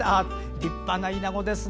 立派なイナゴですね。